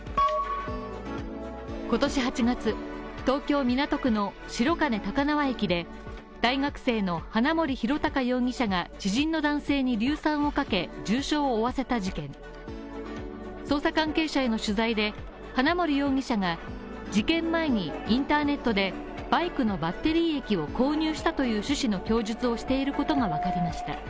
今年８月、東京・港区の白金高輪駅で、大学生の花森弘卓容疑者が知人の男性に硫酸をかけ、重傷を負わせた事件で、捜査関係者への取材で花森容疑者が事件前にインターネットでバイクのバッテリー液を購入したという趣旨の供述をしていることがわかりました。